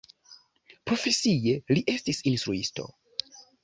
Profesie li estis instruisto.